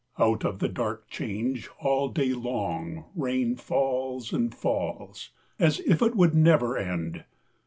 Out of the dark change all day long rain falls and falls as if it would never end.